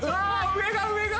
上が上が。